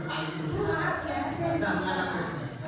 nah menghadap ke sini